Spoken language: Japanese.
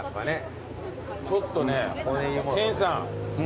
ちょっとね研さん。